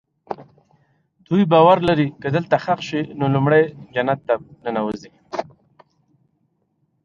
دوی باور لري که دلته ښخ شي نو لومړی جنت ته ننوځي.